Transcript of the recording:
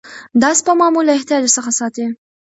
دا سپما مو له احتیاج څخه ساتي.